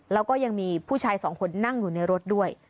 แล้วก็ยังมีผู้ชายสองคนนั่งอยู่ในรถด้วย